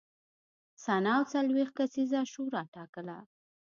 سنا او څلوېښت کسیزه شورا ټاکله